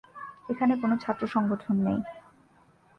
এখানে কোন ছাত্র সংগঠন নেই।